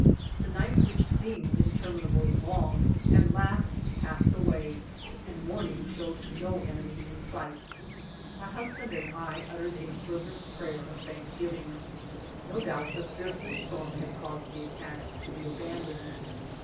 The night which seemed interminably long at last passed away and morning showed no enemy in sight. ]\Iy husband and I uttered a fervent prayer of thanksgiving. No doubt the fearful storm had caused the attack to be abandoned.